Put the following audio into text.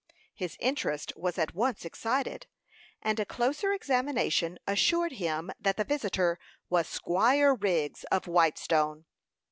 His interest was at once excited, and a closer examination assured him that the visitor was Squire Wriggs, of Whitestone.